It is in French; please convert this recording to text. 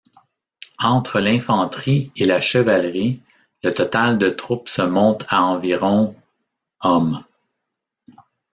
Entre l'infanterie et la chevalerie, le total de troupes se monte à environ hommes.